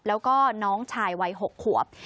แล้วก็น้องชายวัย๖ขวบ